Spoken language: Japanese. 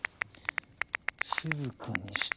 静かにし